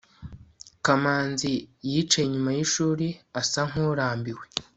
kamanzi yicaye inyuma yishuri, asa nkurambiwe